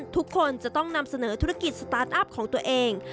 ทุกคนจะต้องนำเสนอธุรกิจสตาร์ทอัพของตัวเอง